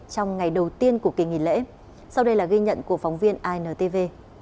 đây là bài đầu tiên của kỳ nghỉ lễ sau đây là ghi nhận của phóng viên intv